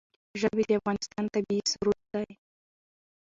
ژبې د افغانستان طبعي ثروت دی.